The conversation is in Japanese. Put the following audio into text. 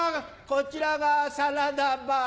こちらがサラダバー